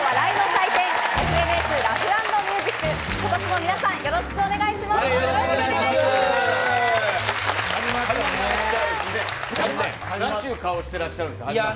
なんちゅう顔してらっしゃるんですか。